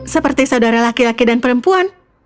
seperti saudara laki laki dan perempuan